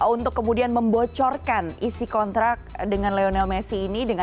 untuk kemudian membocorkan isi kontrak dengan lionel messi ini